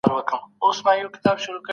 نوي علمي میتودونه کارول کيږي.